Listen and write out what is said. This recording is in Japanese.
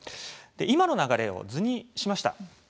今の流れを図にしました。